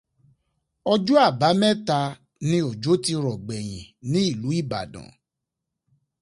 Ọjọ́ Àbámẹ́ta ni òjò ti rọ̀ gbẹ̀yìn ní ìlú Ìbàdàn.